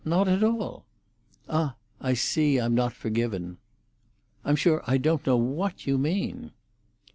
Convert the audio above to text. Not at all." "Ah! I see I'm not forgiven." "I'm sure I don't know what you mean."